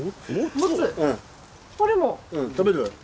食べる？